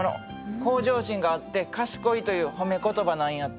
向上心があって賢いという褒め言葉なんやって。